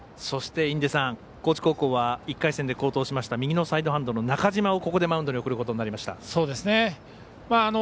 そして高知高校は１回戦で好投しました右のサイドハンドの中嶋をここでマウンドに送ることになりました。